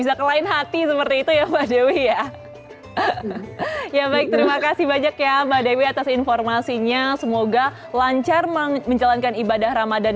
addit jadi goreng kayak wieopers stories the